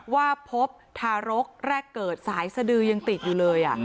ว่าพบทารกแรกเกิดสายสดือยังติดอยู่เลย